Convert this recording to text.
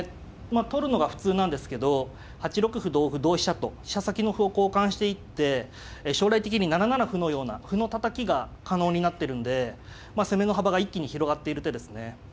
まあ取るのが普通なんですけど８六歩同歩同飛車と飛車先の歩を交換していって将来的に７七歩のような歩のたたきが可能になってるんで攻めの幅が一気に広がっている手ですね。